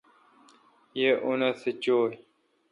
یہ او نتھ چوی۔